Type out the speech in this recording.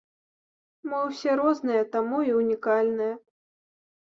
Мы ўсе розныя, таму і ўнікальныя!